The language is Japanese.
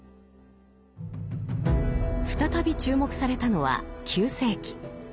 再び注目されたのは９世紀。